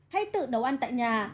hãy tự nấu ăn tại nhà